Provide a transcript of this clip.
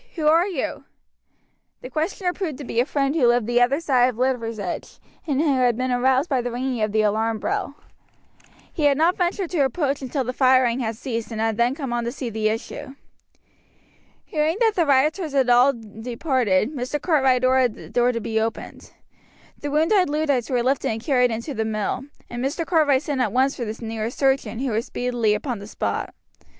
"Who are you?" The questioner proved to be a friend who lived the other side of Liversedge, and who had been aroused by the ringing of the alarm bell. He had not ventured to approach until the firing had ceased, and had then come on to see the issue. Hearing that the rioters had all departed, Mr. Cartwright ordered the door to be opened. The wounded Luddites were lifted and carried into the mill, and Mr. Cartwright sent at once for the nearest surgeon, who was speedily upon the spot.